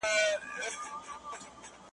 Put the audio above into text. پر زمري باندي د سختو تېرېدلو ,